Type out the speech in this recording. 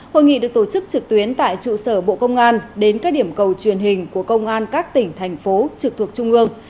hội nghị được tổ chức trực tuyến tại trụ sở bộ công an đến các điểm cầu truyền hình của công an các tỉnh thành phố trực thuộc trung ương